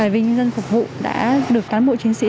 vì nhân dân phục vụ đã được cán bộ chiến sĩ